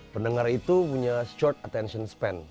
pendengar itu punya schort attention span